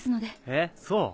えっそう？